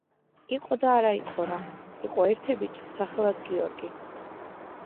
იყო და არა იყო რა იყო ერთი ბიჭი სახელად გიორგი